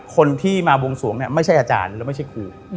คนที่มาบวงสวงเนี่ยไม่ใช่อาจารย์แล้วไม่ใช่ครู